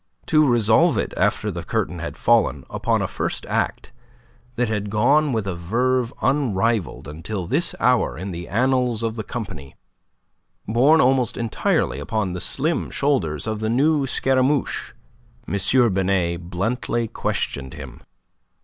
To resolve it after the curtain had fallen upon a first act that had gone with a verve unrivalled until this hour in the annals of the company, borne almost entirely upon the slim shoulders of the new Scaramouche, M. Binet bluntly questioned him.